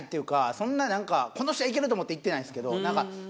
そんな何かこの人はいける！と思っていってないですけど。